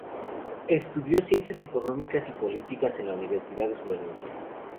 Estudió Ciencias Económicas y Políticas en la Universidad de Florencia.